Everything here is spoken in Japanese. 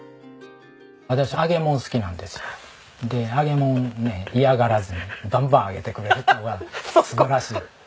私揚げもん好きなんですよ。で揚げもんをね嫌がらずにバンバン揚げてくれるところが素晴らしい。